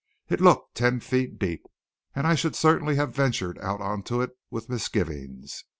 It looked ten feet deep; and I should certainly have ventured out on it with misgivings.